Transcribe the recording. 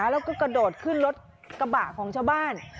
แล้วก็กระโดดขึ้นรถกระบะของชาวบ้าน